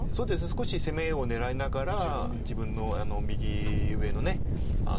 少し攻めを狙いながら自分の右上の陣地を。